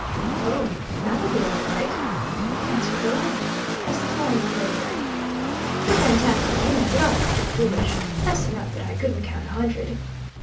"'Oh, that'll be all right,' answered the lad, as the foreman rode away. He then tackled me, but I acted foolish, 'fessing up that I couldn't count a hundred.